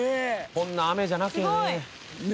こんな雨じゃなきゃね。